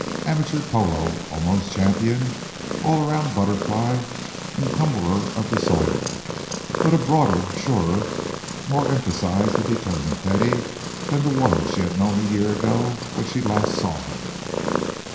amateur polo (almost) champion, all round butterfly and cumberer of the soil; but a broader, surer, more emphasized and determined Teddy than the one she had known a year ago when last she saw him.